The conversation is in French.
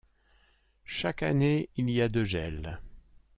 Chaque année, il y a de gel.